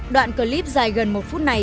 đoạn clip dài gần một phút này